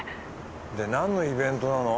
でなんのイベントなの？